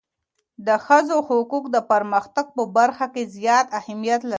د ښځو حقوق د پرمختګ په برخه کي زیات اهمیت لري.